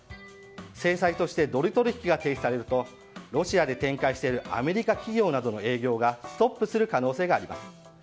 制裁としてドル取引が停止されるとロシアで展開しているアメリカ企業などの営業がストップする可能性があります。